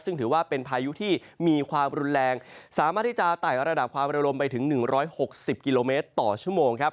ซึ่งถือว่าเป็นพายุที่มีความรุนแรงสามารถที่จะไต่ระดับความระลมไปถึง๑๖๐กิโลเมตรต่อชั่วโมงครับ